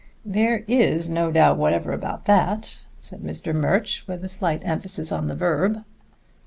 "There is no doubt whatever about all that," said Mr. Murch, with a slight emphasis on the verb.